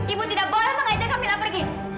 ibu tidak boleh mengajak kamila pergi